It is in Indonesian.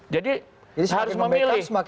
jadi harus memilih